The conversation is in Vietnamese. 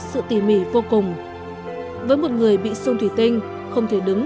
sự tỉ mỉ vô cùng với một người bị sương thủy tinh không thể đứng